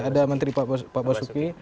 ada menteri pak basuki